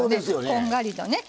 こんがりとね。